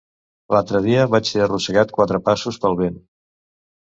L'altre dia vaig ser arrossegat quatre passos pel vent.